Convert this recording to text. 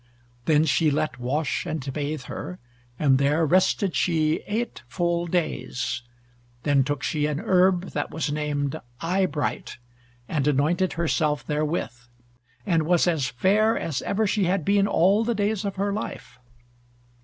Then she let wash and bathe her, and there rested she eight full days. Then took she an herb that was named Eyebright and anointed herself therewith, and was as fair as ever she had been all the days of her life.